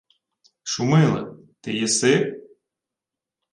— Шумиле... ти єси?